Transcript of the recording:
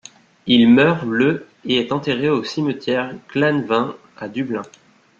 Il meurt le et est enterré au cimetière Glasnevin, à Dublin.